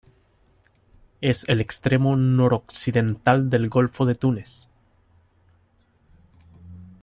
Es el extremo noroccidental del golfo de Túnez.